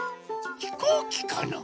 ひこうきかな？